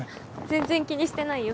全然気にしてないよ。